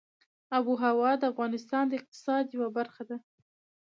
آب وهوا د افغانستان د اقتصاد یوه برخه ده.